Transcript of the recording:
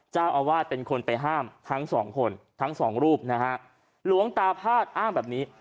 เจ้าอาวาสเป็นคนไปห้ามทั้งสองคนทั้งสองรูปนะฮะ